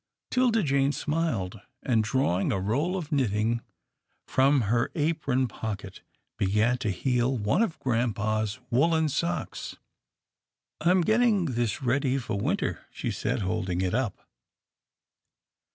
'Tilda Jane smiled, and, drawing a roll of knit ting from her apron pocket, began to heel one of grampa's woolen socks. " I am getting this ready for winter," she said holding it up.